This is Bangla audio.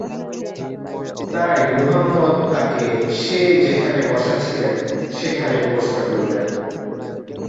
তাই মুহাম্মদ তাকে সে যেখানে বসা ছিলেন সেখানেই বসতে বললেন।